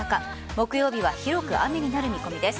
木曜日は広く雨になる見込みです。